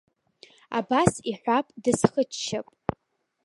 Абас иҳәап, дысхыччап.